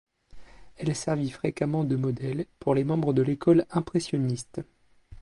Elle servit fréquemment de modèle pour les membres de l'école impressionniste.